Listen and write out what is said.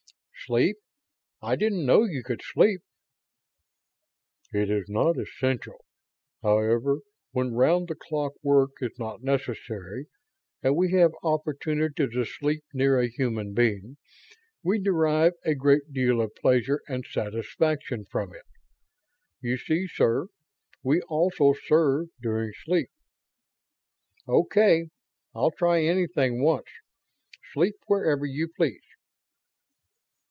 "Sleep? I didn't know you could sleep." "It is not essential. However, when round the clock work is not necessary, and we have opportunity to sleep near a human being, we derive a great deal of pleasure and satisfaction from it. You see, sir, we also serve during sleep." "Okay, I'll try anything once. Sleep wherever you please."